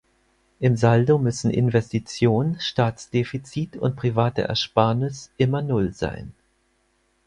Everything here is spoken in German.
Im Saldo müssen Investition, Staatsdefizit und private Ersparnis immer Null sein.